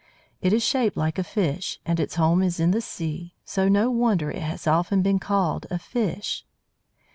It is shaped like a fish, and its home is in the sea, so no wonder it has often been called a fish.